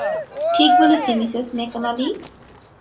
ঠিক বলেছি, Mrs McNally?